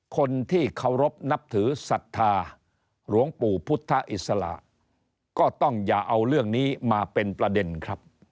คนที่เคารพนับถือศรัทธาหลวงปู่พุทธอิสระก็ต้องอย่าเอาเรื่องนี้มาเป็นประเด็นครับ